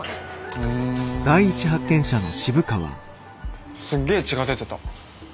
うんすっげえ血が出てた。